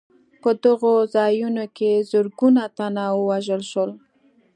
په دغو ځایونو کې زرګونه تنه ووژل شول.